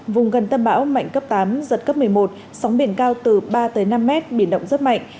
vùng gần tâm bão mạnh cấp tám giật cấp một mươi một sóng biển cao từ ba tới năm mét biển động rất mạnh